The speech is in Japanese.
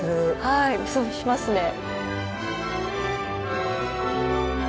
はいしますね。